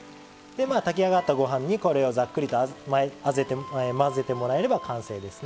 炊き上がったご飯にこれをざっくりと混ぜてもらえれば完成ですね。